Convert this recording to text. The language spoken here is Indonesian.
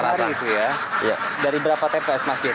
mas hur biasa seperti ini dalam